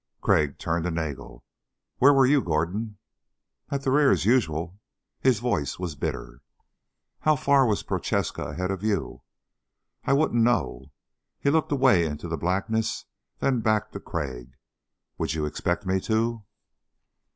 Crag turned to Nagel. "Where were you, Gordon?" "At the rear, as usual." His voice was bitter. "How far was Prochaska ahead of you?" "I wouldn't know." He looked away into the blackness, then back to Crag. "Would you expect me to?"